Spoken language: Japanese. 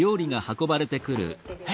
え？